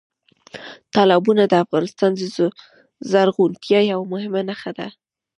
تالابونه د افغانستان د زرغونتیا یوه مهمه نښه ده.